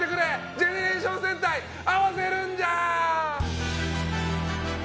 ジェネレーション戦隊合わせルンジャー！